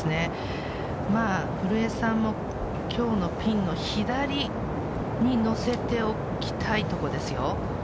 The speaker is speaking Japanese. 古江さんも今日もピンの左にのせておきたいところですよ。